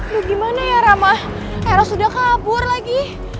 lu gimana ya rama aros udah kabur lagi